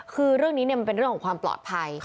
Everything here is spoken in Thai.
คือเรื่องนี้มันเป็นเรื่องของความปลอดภัย